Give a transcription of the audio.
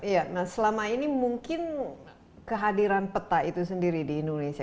iya nah selama ini mungkin kehadiran peta itu sendiri di indonesia